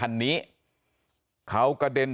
วันนี้เราจะมาเมื่อไหร่